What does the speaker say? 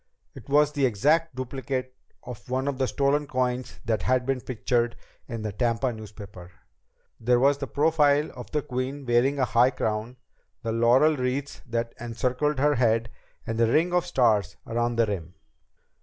It was the exact duplicate of one of the stolen coins that had been pictured in the Tampa newspaper. There was the profile of the queen wearing a high crown, the laurel wreaths that encircled the head, and the ring of stars around the rim.